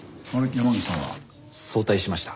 山口さんは？早退しました。